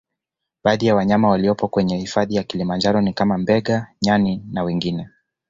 Baadhi ya wanyama waliopo kwenye hifadhi ya kilimanjaro ni kama Mbega nyani na wengine